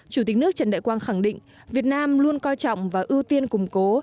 chủ tịch nước trần đại quang khẳng định việt nam luôn coi trọng và ưu tiên củng cố